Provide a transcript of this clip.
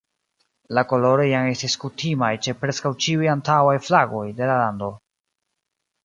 La koloroj jam estis kutimaj ĉe preskaŭ ĉiuj antaŭaj flagoj de la lando.